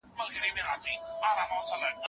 ایا درمل د ټولو ناروغانو لپاره مؤثر دي؟